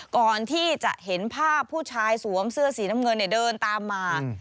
ก่อนที่จะเห็นภาพผู้ชายสวมเสื้อสีน้ำเงินเดินตามมา